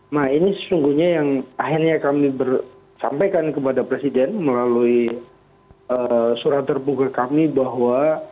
nah ini sesungguhnya yang akhirnya kami bersampaikan kepada presiden melalui surat terbuka kami bahwa